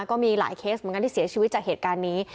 ก็มีหลายเคสเหมือนกันที่เสียชีวิตจากเหตุการณ์นี้